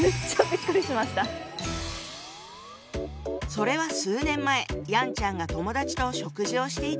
それは数年前ヤンちゃんが友達と食事をしていた時のこと。